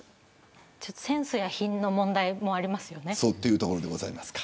センスや品の問題もありますよね。